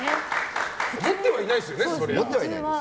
思ってはいないですよね、そりゃ。